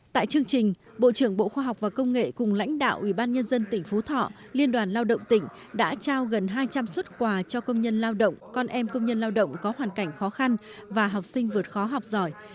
tại chương trình bộ trưởng bộ khoa học và công nghệ cùng lãnh đạo ủy ban nhân dân tỉnh phú thọ liên đoàn lao động tỉnh đã trao gần hai trăm linh xuất quà cho công nhân lao động con em công nhân lao động có hoàn cảnh khó khăn và học sinh vượt khó học giỏi